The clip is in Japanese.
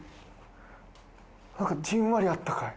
なんかじんわりあったかい。